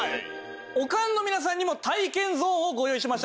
おかんの皆さんにも体験ゾーンをご用意しましたので